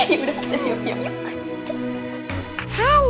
yaudah kita siap siap